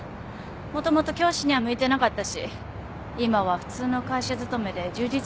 もともと教師には向いてなかったし今は普通の会社勤めで充実してるよ。